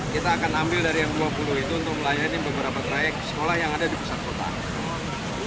kita akan ambil dari yang dua puluh itu untuk melayani beberapa trayek sekolah yang ada di pusat kota